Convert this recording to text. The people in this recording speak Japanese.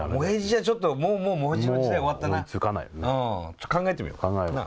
ちょっと考えてみようか。